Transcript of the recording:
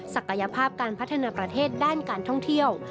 ศักยภาพการพัฒนาประเทศด้านการท่องเที่ยว